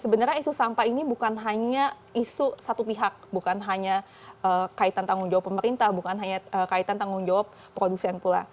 sebenarnya isu sampah ini bukan hanya isu satu pihak bukan hanya kaitan tanggung jawab pemerintah bukan hanya kaitan tanggung jawab produsen pula